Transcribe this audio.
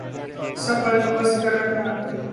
سب بندوبست کر رکھنا